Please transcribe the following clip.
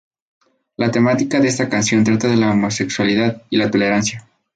La temática de esta canción trata de la homosexualidad y la tolerancia.